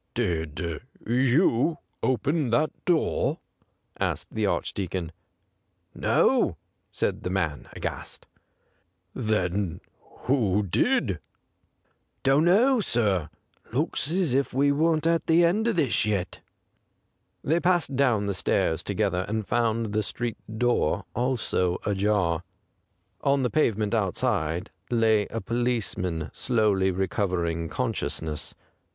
' Did you open that door }' asked the Archdeacon. ' No/ said the man, aghast. ' Then who did ?'' Don't know, sir. Looks as if we weren't at the end of this yet.' They passed down the stairs to gether, and found the street door also ajar. On the pavement outside lay a policeman slowly recovering consciousness.